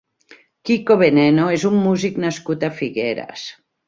Kiko Veneno és un músic nascut a Figueres.